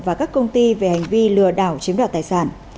và các công ty về hành vi lừa đảo chiếm đoạt tài sản